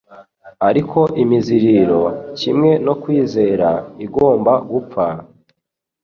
Ariko imiziririzo, kimwe no kwizera, igomba gupfa,